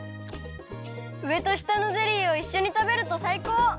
うえとしたのゼリーをいっしょにたべるとさいこう！